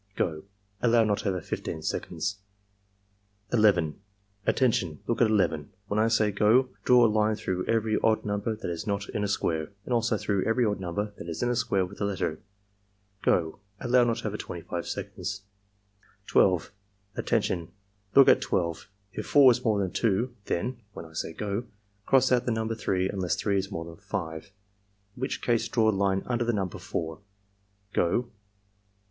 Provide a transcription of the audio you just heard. — Go!" (Allow not over 15 seconds.) 11. "Attention! Look at 11. When I say 'go' draw a line through every odd number that is not in a square, and also through every odd number that is in a square with a letter. — Go!" (Allow not over 25 seconds.) 12. "Attention! Look at 12. If 4 is more than 2, then (when I say 'go') cross out the number 3 unless 3 is more than 5, in which case draw a line under the niunber 4. — Go!"